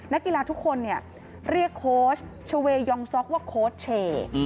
นักกีฬาทุกคนเรียกโค้ชเวยองซ็อกว่าโค้ชเช